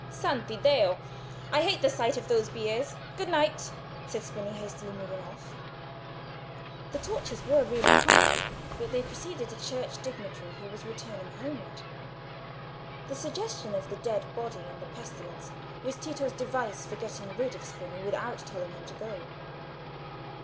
"Santiddio! I hate the sight of those biers. Good night," said Spini, hastily moving off. The torches were really coming, but they preceded a church dignitary who was returning homeward; the suggestion of the dead body and the pestilence was Tito's device for getting rid of Spini without telling him to go.